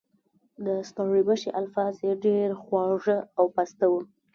د ستړي مشي الفاظ یې ډېر خواږه او پاسته وو.